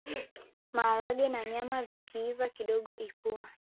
Maharage na nyama vikiiva kidogo ipua